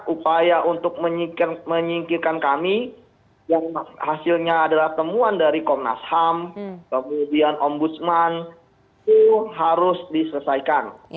upaya untuk menyingkirkan kami yang hasilnya adalah temuan dari komnas ham kemudian ombudsman itu harus diselesaikan